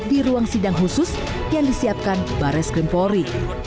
di ruang sidang khusus yang disiapkan bares krim polri